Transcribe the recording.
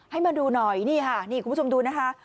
ให้มาดูหน่อยนี่คุณผู้ชมดูนะคะ